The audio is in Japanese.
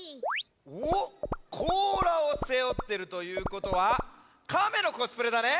おっこうらをせおってるということはカメのコスプレだね？